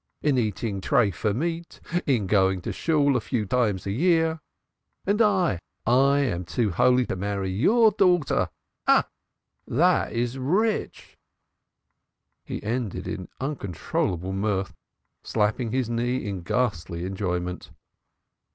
In eating tripha meat, and going to Shool a few times a year! And I, I am too holy to marry your daughter. Oh, it is rich!" He ended in uncontrollable mirth, slapping his knee in ghastly enjoyment.